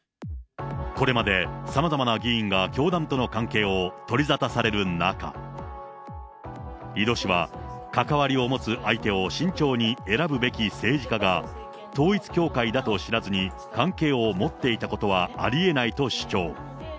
これまでさまざまな議員が教団との関係を取り沙汰される中、井戸氏は、関わりを持つ相手を慎重に選ぶべき政治家が統一教会だと知らずに関係を持っていたことはありえないと主張。